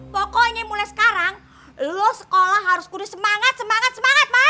pokoknya mulai sekarang lo sekolah harus kudus semangat semangat semangat mai